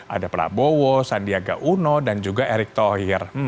ada prabowo sandiaga uno dan juga erick thohir